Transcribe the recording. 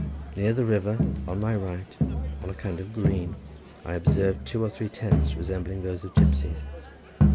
Near the river, on my right, on a kind of green, I observed two or three tents resembling those of gypsies.